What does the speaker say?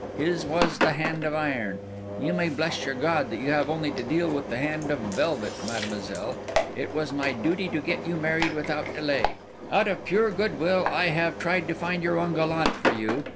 His was the hand of iron. You may bless your God you have only to deal with the hand of velvet, mademoiselle. It was my duty to get you married without delay. Out of pure goodwill, I have tried to find your own gallant for you.